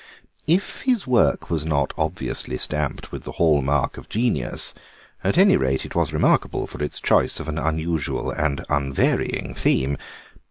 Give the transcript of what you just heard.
If his work was not obviously stamped with the hall mark of genius, at any rate it was remarkable for its choice of an unusual and unvarying theme.